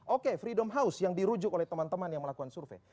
oke freedom house yang dirujuk oleh teman teman yang melakukan survei